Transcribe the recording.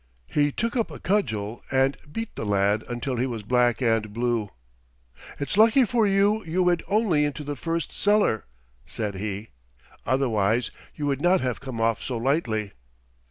He took up a cudgel and beat the lad until he was black and blue. "It's lucky for you you went only into the first cellar," said he. "Otherwise you would not have come off so lightly."